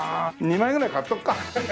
２枚ぐらい買っとくか。